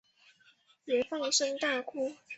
也放声大哭